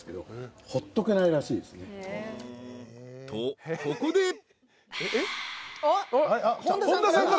［とここで］